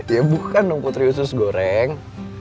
ya bukan dong putri usus goreng